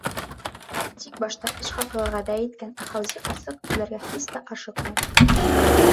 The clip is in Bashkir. Тик башта эш хаҡы вәғәҙә иткән Ахаузи ҡарсыҡ түләргә һис тә ашыҡмай.